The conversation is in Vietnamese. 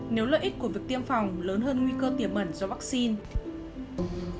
nếu lợi ích của việc tiêm phòng lớn hơn nguy cơ tiềm mẩn do vaccine